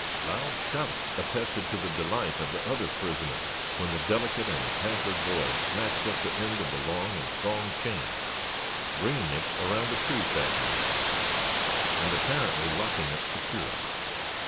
Loud shouts attested to the delight of the other prisoners, when the delicate and pampered boy snatched up the end of the long and strong chain, bringing it around the tree Thad mentioned, and apparently locking it securely.